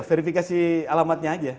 verifikasi alamatnya aja